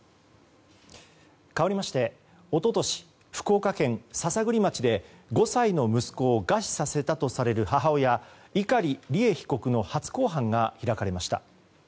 かわりまして一昨年、福岡県篠栗町で５歳の息子を餓死させたとする母親・碇利恵被告の初公判が開かれました。